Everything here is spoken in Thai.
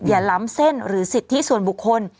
ล้ำเส้นหรือสิทธิส่วนบุคคล